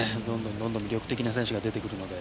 どんどん魅力的な選手が出てくるので。